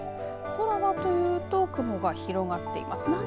空はというと雲が広がっています。